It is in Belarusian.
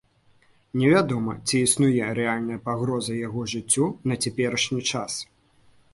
Невядома, ці існуе рэальная пагроза яго жыццю на цяперашні час.